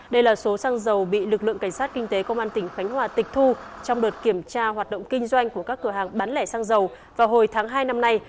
đây là số xăng dầu bị lực lượng cảnh sát kinh tế công an tỉnh khánh hòa tịch thu trong đợt kiểm tra hoạt động kinh doanh của các cửa hàng bán lẻ xăng dầu vào hồi tháng hai năm nay